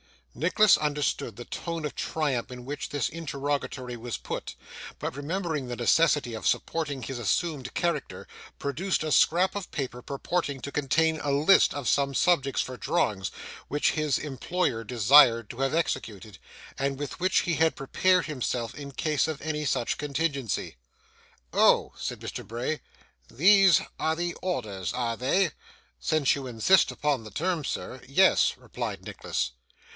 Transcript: Nicholas understood the tone of triumph in which this interrogatory was put; but remembering the necessity of supporting his assumed character, produced a scrap of paper purporting to contain a list of some subjects for drawings which his employer desired to have executed; and with which he had prepared himself in case of any such contingency. 'Oh!' said Mr. Bray. 'These are the orders, are they?' 'Since you insist upon the term, sir, yes,' replied Nicholas.